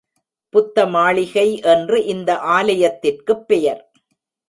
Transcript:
புத்தமாளிகை என்று இந்த ஆலயத்திற்குப் பெயர்.